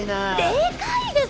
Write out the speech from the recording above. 「でかいですよ！」